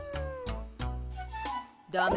ダメ。